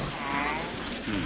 うん？